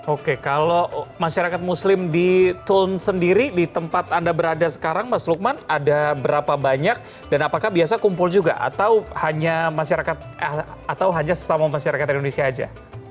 oke kalau masyarakat muslim di tulln sendiri di tempat anda berada sekarang mas lukman ada berapa banyak dan apakah biasa kumpul juga atau hanya masyarakat atau hanya sesama masyarakat indonesia saja